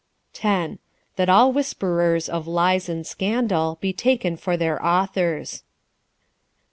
10. " That all whisperers of lies and scandal, be taken for their authors.